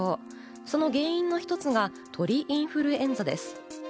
その原因の一つが、鳥インフルエンザです。